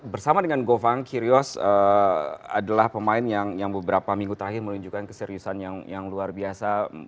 bersama dengan govang kirios adalah pemain yang beberapa minggu terakhir menunjukkan keseriusan yang luar biasa